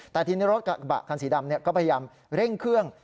แต่ทีนี้รถกระบะคันสีดำก็พยายามเร่งเครื่อง